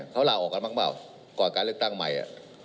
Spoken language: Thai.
เขาลาออกกันเปล่ามากกับกว่าการเลือกตั้งใหม่